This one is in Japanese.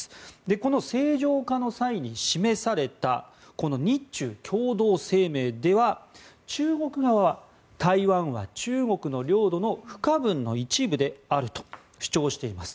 この正常化の際に示されたこの日中共同声明では中国側は、台湾は中国の領土の不可分の一部であると主張しています。